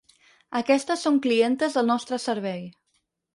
Aquestes són clientes del nostre servei.